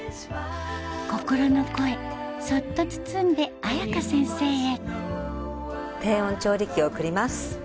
心の声そっと包んで亜弥花先生へ低温調理器をおくります。